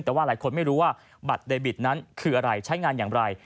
แต่ว่าหลายคนไม่รู้ว่าบัตรเดบิตนั้นคืออะไรใช้งานอย่างไร